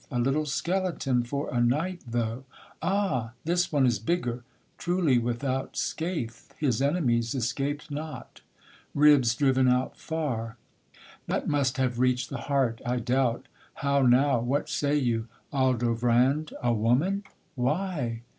A little skeleton for a knight, though: ah! This one is bigger, truly without scathe His enemies escaped not! ribs driven out far; That must have reach'd the heart, I doubt: how now, What say you, Aldovrand, a woman? why?'